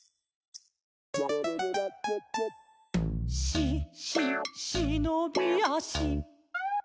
「し・し・しのびあし」